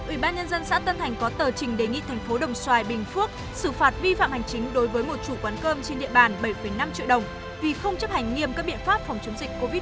ủy ban nhân dân xã tân thành có tờ trình đề nghị thành phố đồng xoài bình phước xử phạt vi phạm hành chính đối với một chủ quán cơm trên địa bàn bảy năm triệu đồng vì không chấp hành nghiêm các biện pháp phòng chống dịch covid một mươi chín